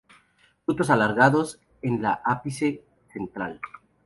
Frutos alargados en el ápice central.